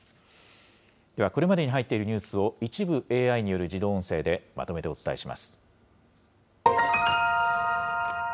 では、これまでに入っているニュースを一部ＡＩによる自動音声でまとめてお伝えします。